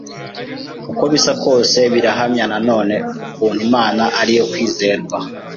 uko bisa kose birahamya na none ukuntu Imana ari iyo kwizerwa